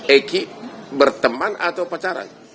eki berteman atau pacaran